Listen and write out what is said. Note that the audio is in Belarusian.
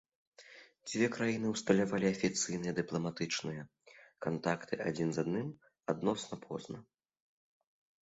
Дзве краіны ўсталявалі афіцыйныя дыпламатычныя кантакты адзін з адным адносна позна.